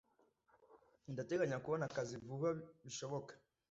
Ndateganya kubona akazi vuba bishoboka